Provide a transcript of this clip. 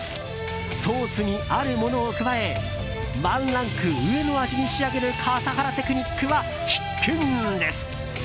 ソースにあるものを加えワンランク上の味に仕上げる笠原テクニックは必見です。